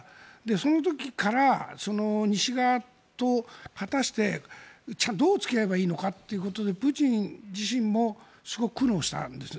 その時から西側と果たしてどう付き合えばいいのかということでプーチン自身もすごく苦労したんです。